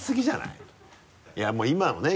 いやもう今のね